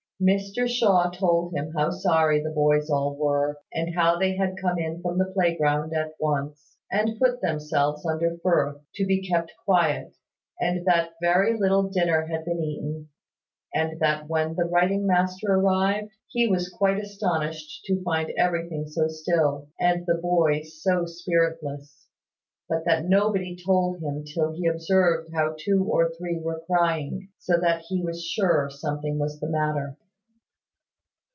Mr Shaw told him how sorry the boys all were, and how they had come in from the playground at once, and put themselves under Firth, to be kept quiet; and that very little dinner had been eaten; and that, when the writing master arrived, he was quite astonished to find everything so still, and the boys so spiritless: but that nobody told him till he observed how two or three were crying, so that he was sure something was the matter.